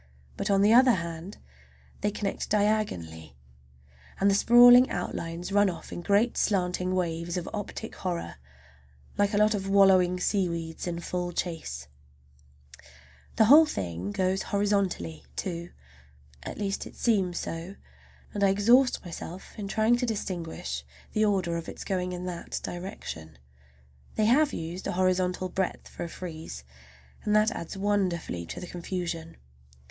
But, on the other hand, they connect diagonally, and the sprawling outlines run off in great slanting waves of optic horror, like a lot of wallowing seaweeds in full chase. The whole thing goes horizontally, too, at least it seems so, and I exhaust myself in trying to distinguish the order of its going in that direction. They have used a horizontal breadth for a frieze, and that adds wonderfully to the confusion.